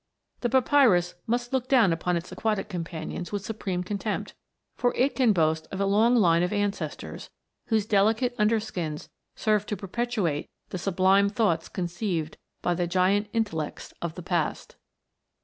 The papyrus must look down upon its aquatic companions with supreme contempt, for it can boast of a long line of ancestors, whose delicate under skins served to perpetuate the sublime thoughts conceived by the giant intellects of the past.